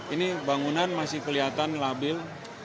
ini bangunan masih kelihatan labil